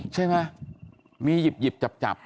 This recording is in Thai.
ใช่ไหมมีหยิบหยิบจับจับ